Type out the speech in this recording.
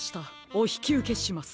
おひきうけします。